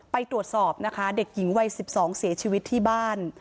ไปตรวจสอบนะคะเด็กหญิงวัย๑๒เสียชีวิตที่บ้าน